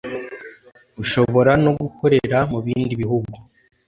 ushobora no gukorera mu bindi bihugu